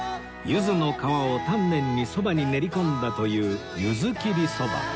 ゆずの皮を丹念にそばに練り込んだというゆず切りそば